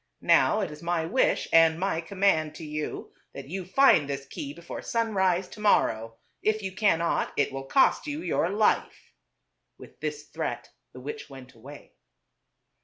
Now it is my wish and my command to you that you find this key before sunrise to morrow. If you cannot, it will cost you your life." With this threat the witch went away.